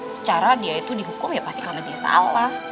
secara dia itu dihukum ya pasti karena dia salah